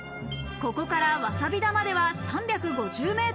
ここからわさび田までは３５０ｍ。